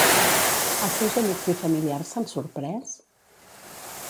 Els seus amics i familiars s'han sorprès?